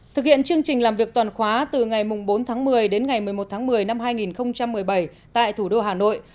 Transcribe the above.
thực hiện chương trình làm việc toàn khóa từ ngày bốn tháng một mươi đến ngày một mươi một tháng một mươi năm hai nghìn một mươi bảy tại thủ đô hà nội